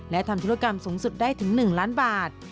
และทำธุรกรรมสูงสุดได้ถึง๑ล้านบาท